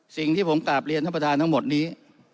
สิ่งที่ผมกลับเรียนท่านประธานทั้งหมดนี้